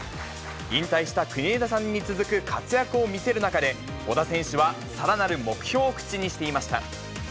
引退した国枝さんに続く活躍を見せる中で、小田選手はさらなる目標を口にしていました。